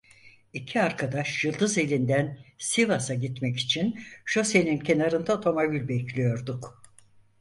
İki arkadaş Yıldızeli'nden Sivas'a gitmek için şosenin kenarında otomobil bekliyorduk.